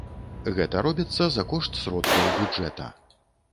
Гэта робіцца за кошт сродкаў бюджэта.